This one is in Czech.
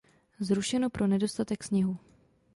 Zrušeno pro nedostatek sněhu.